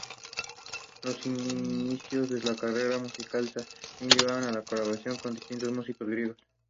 Los inicios de su carrera musical la llevaron a colaborar con distintos músicos griegos.